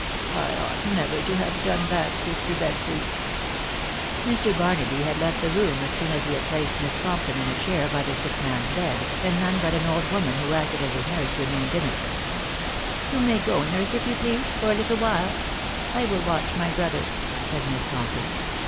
.«... I ought .never to have done "that, lister Betsy," Mr. Bamaby had left' the room as soon as he bail placed Miss Compton in* chain hy the aick nan*B bed, 4nd none hat an. old woman who acted :as>his nurse/remained » in it. ""You may go, nurse, if you please, for >a tittle while; I will watch by my brother," said Miss Compton.